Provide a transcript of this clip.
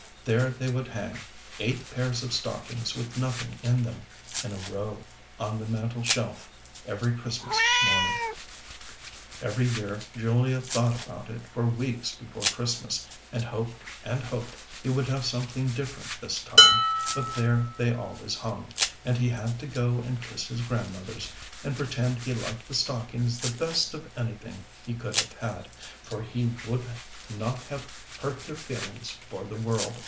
There they would hang eight pairs of stockings with nothing in them, in a row on the mantel shelf, every Christmas morning. Every year Julia thought about it for weeks before Christmas, and hoped and hoped he would have something different this time, but there they always hung, and he had to go and kiss his Grandmothers, and pretend he liked the stockings the best of anything he could have had; for he would not have hurt their feelings for the world.